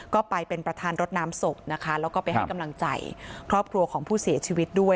ก็ไปเป็นประธานรถน้ำศพนะคะแล้วก็ไปให้กำลังใจครอบครัวของผู้เสียชีวิตด้วย